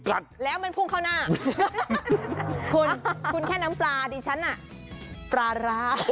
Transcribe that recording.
แล้วมันพุ่งเข้าหน้าคุณคุณแค่น้ำปลาดิฉันน่ะปลาร้า